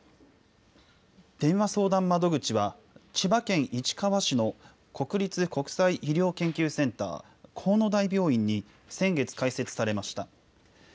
電話相談窓口は、千葉県市川市の国立国際医療研究センター国府台病院に先月開設されました。